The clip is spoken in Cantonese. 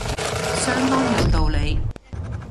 相當有道理